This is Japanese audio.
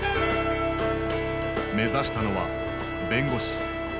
目指したのは弁護士。